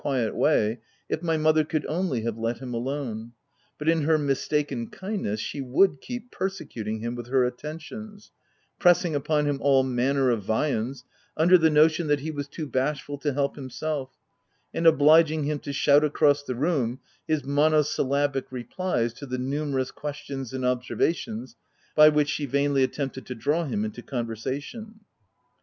65 quiet way, if my mother could only have let him alone^ but in her mistaken kindness, she would keep persecuting him with her attentions — pressing upon him all manner of viands, under the notion that he was too bashful to help himself, and obliging him to shout across the room his monosyllabic replies to the numerous questions and observations by which she vainly attempted to draw him into conversation.